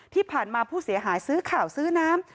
ที่ผ่านมาผู้เสียหายซื้อข่าวซื้อน้ำ